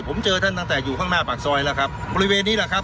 ผมเจอท่านตั้งแต่อยู่ข้างหน้าปากซอยแล้วครับบริเวณนี้แหละครับ